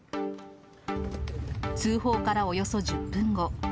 通報からおよそ１０分後。